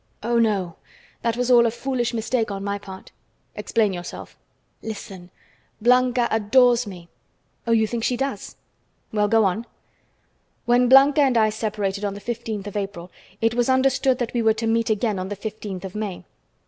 "Oh, no; that was all a foolish mistake on my part." "Explain yourself." "Listen: Blanca adores me!" "Oh, you think she does? Well, go on." "When Blanca and I separated on the fifteenth of April, it was understood that we were to meet again on the fifteenth of May.